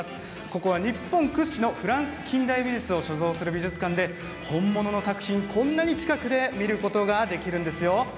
ここは日本屈指のフランス近代美術を所蔵する美術館で本物の作品こんなに近くで見ることができるんですよ。